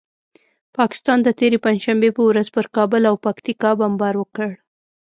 پاکستان د تېرې پنجشنبې په ورځ پر کابل او پکتیکا بمبار وکړ.